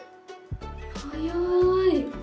早い。